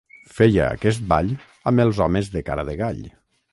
Feia aquest ball amb els homes de cara de gall.